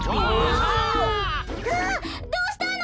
あっどうしたの？